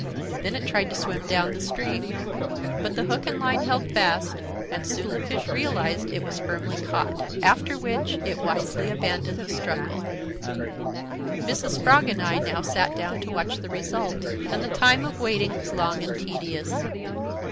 Then it tried to swim down the stream. But the hook and line held fast, and soon the fish realized it was firmly caught, after which it wisely abandoned the struggle. "Mrs. Frog and I now sat down to watch the result, and the time of waiting was long and tedious.